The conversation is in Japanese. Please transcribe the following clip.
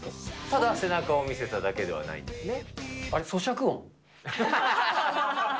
ただ、背中を見せただけではないんですね。